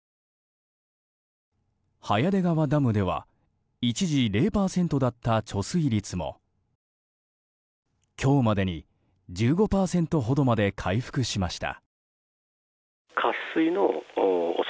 早出川ダムでは一時０％だった貯水率も今日までに１５％ほどまで回復しました。